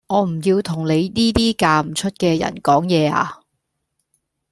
我唔要同你呢啲嫁唔出嘅人講嘢呀